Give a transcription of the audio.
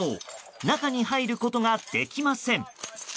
中に入ることができません。